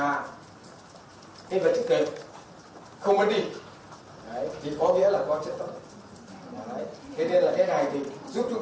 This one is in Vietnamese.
nếu sau năm phút